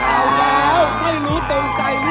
อ้าวแล้วไม่รู้ตรงใจนิดหน่อย